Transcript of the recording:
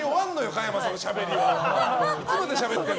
加山さんのしゃべりは。